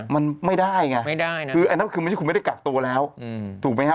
มันไม่ได้ไงคือคุณไม่ได้กัดตัวแล้วถูกไหมครับ